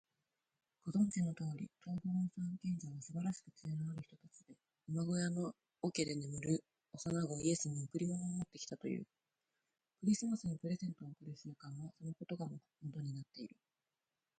ご存じのとおり、東方の三賢者はすばらしく知恵のある人たちで、馬小屋の桶で眠る幼子イエスに贈り物を持ってきたという。クリスマスにプレゼントを贈る習慣は、そのことがもとになっている。